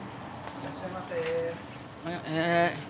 ・いらっしゃいませ。